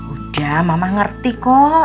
udah mama ngerti kok